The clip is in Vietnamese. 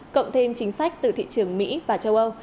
cộng thêm chính sách từ thị trường mỹ và châu âu